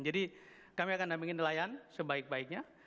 jadi kami akan dampingi nelayan sebaik baiknya